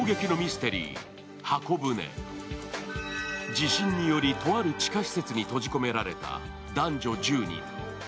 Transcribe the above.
地震により、とある地下施設に閉じ込められた男女１０人。